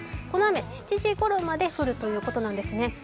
この雨、７時ごろまで降るということなんですね。